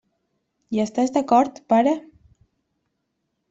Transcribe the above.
Hi estàs d'acord, pare?